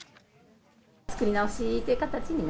作り直しという形に。